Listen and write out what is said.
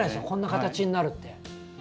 こんな形になるって。